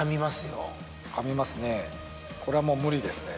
これはもう無理ですね。